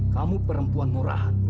kamu perempuan murahan